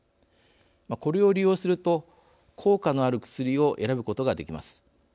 これを利用すると効果のある薬を選ぶことができます。